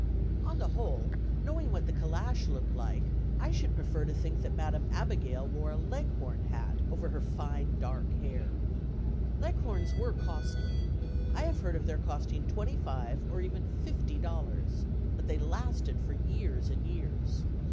On the whole, knowing what the calash looked like, I should prefer to think that Madam Abigail wore a Leghorn hat over her fine dark hair. Leghorns were costly. I have heard of their costing twenty five or even fifty dollars: but they lasted for years and years.